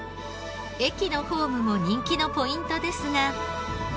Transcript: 駅のホームも人気のポイントですが。